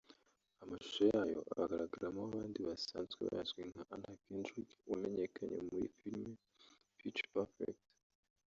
Amashusho yayo agaragaramo abandi basanzwe bazwi nka Anna Kendrick wamenyekanye muri filime Pitch Perfect